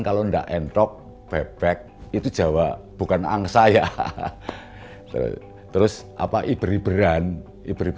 kalau ndak entok bebek itu jawa bukan angsa ya terus apa ibr ibran ibr ibran yang berbeda dengan